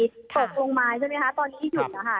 ตกลงมาใช่ไหมคะตอนนี้หยุดนะคะ